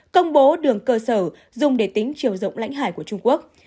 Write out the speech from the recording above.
công bố đường cơ sở dùng để tính chiều rộng lãnh hải của trung quốc